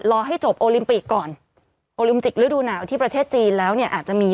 ให้จบโอลิมปิกก่อนโอลิมจิกฤดูหนาวที่ประเทศจีนแล้วเนี่ยอาจจะมี